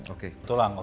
oke tulang oke